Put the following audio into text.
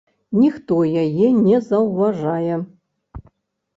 Ніхто яе не заўважае.